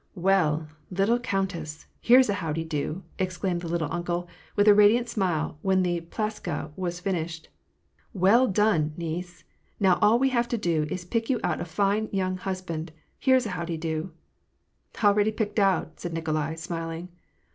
" Well, little countess — here's ^ how de do !" exclaimed the " little uncle," with a radiant smile, when the plyaska was finished. " Well done, niece ! Now, all we need is to pick you out a fine young husband — here's a how de do !"" Already picked out," said Nikolai, smiling.